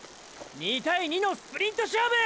２対２のスプリント勝負！